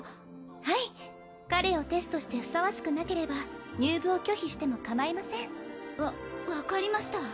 はい彼をテストしてふさわしくなければ入部を拒否してもかまいませんわ分かりました